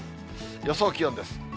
予想気温です。